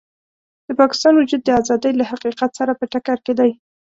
د پاکستان وجود د ازادۍ له حقیقت سره په ټکر کې دی.